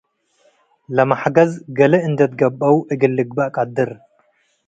ለመሕገዝ ገሌ እንዴ ትገበአው እግል ልግበእ ቀድር ።